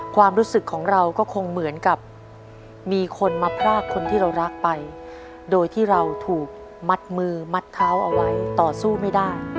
ความรู้สึกของเราก็คงเหมือนกับมีคนมาพรากคนที่เรารักไปโดยที่เราถูกมัดมือมัดเท้าเอาไว้ต่อสู้ไม่ได้